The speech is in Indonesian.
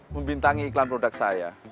membintangi iklan produk saya